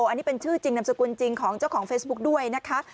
อันนี้เป็นชื่อจริงนามสกุลจริงของเจ้าของเฟซบุ๊กด้วยนะคะ